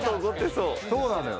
そうなのよ。